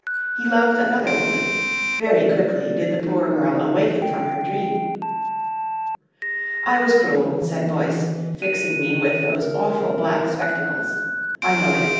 He loved another woman. Very quickly did the poor girl awaken from her dream. "I was cruel," said Boyce, fixing me with those awful black spectacles, "I know it.